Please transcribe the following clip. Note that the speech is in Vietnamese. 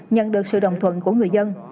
nhận được sự đồng thuận của người dân